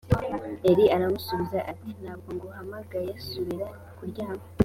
eli aramusubiza ati ntabwo nguhamagaye subira kuryama.